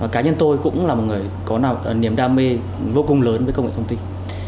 cá nhân tôi cũng là một người có niềm đam mê vô cùng lớn với công nghệ thông tin